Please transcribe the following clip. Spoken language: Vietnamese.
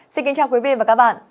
xin kính chào quý vị và các bạn